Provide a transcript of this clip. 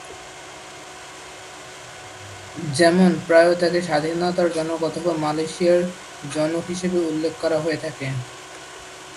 যেমন, প্রায়ই তাকে "স্বাধীনতার জনক" অথবা "মালয়েশিয়ার জনক" হিসেবে উল্লেখ করা হয়ে থাকে।